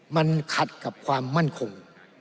มันขัดกับความมั่นคง